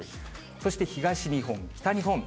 そして東日本、北日本。